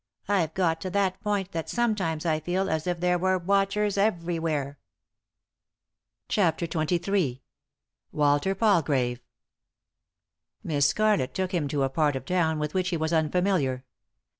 I've got to that point that sometimes I feel as if there were watchers everywhere." 3i 9 iii^d by Google CHAPTER XXIII WALTER PALGRAVE Miss Scarlett took him to a part of town with which he was unfamiliar.